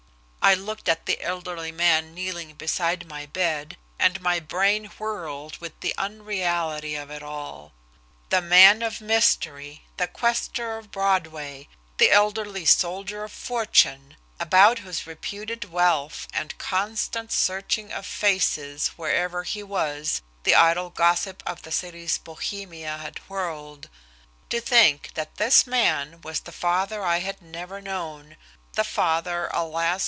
I looked at the elderly man kneeling beside my bed, and my brain whirled with the unreality of it all. The "man of mystery," the "Quester" of Broadway, the elderly soldier of fortune, about whose reputed wealth and constant searching of faces wherever he was the idle gossip of the city's Bohemia had whirled to think that this man was the father I had never known, the father, alas!